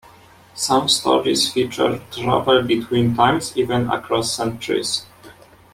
Some stories feature travel between times, even across centuries.